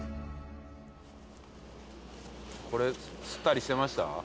これ吸ったりしてました？